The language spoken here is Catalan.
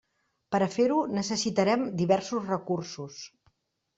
Per a fer-ho necessitarem diversos recursos.